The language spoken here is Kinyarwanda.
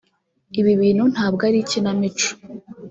Ibi bintu ntabwo ari ikinamico